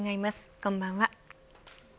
こんばんは。